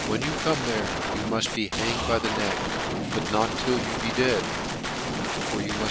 you come there, you mini be hanged by the neck, but not till you be dead ; for you mufr.